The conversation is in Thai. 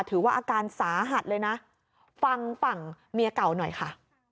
ถือว่าอาการสาหัสเลยนะฟังฝั่งเมียเก่าหน่อยค่ะ